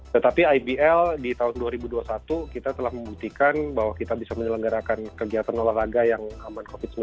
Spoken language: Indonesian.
tetapi ibl di tahun dua ribu dua puluh satu kita telah membuktikan bahwa kita bisa menyelenggarakan kegiatan olahraga yang aman covid sembilan belas